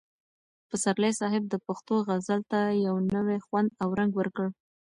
پسرلي صاحب د پښتو غزل ته یو نوی خوند او رنګ ورکړ.